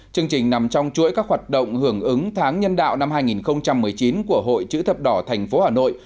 chương trình nằm trong chuỗi các hoạt động hưởng ứng tháng nhân đạo năm hai nghìn một mươi chín của hội chữ thập đỏ tp hà nội